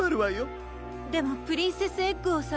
でもプリンセスエッグをさがさないと。